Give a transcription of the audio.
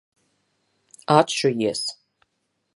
Atšujies!